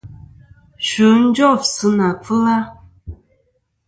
Sfɨ jof sɨ nà kfɨla.